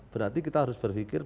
berarti kita harus berpikir